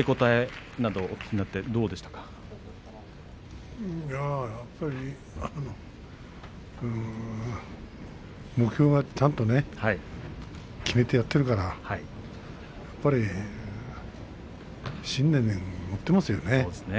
いや、やっぱり目標がちゃんとね決めて、やっているからやっぱり、信念を持っていますよね。